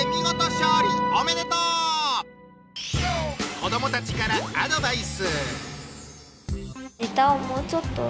子どもたちからアドバイス。